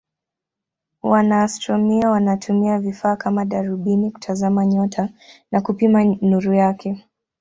Wanaastronomia wanatumia vifaa kama darubini kutazama nyota na kupima nuru yake.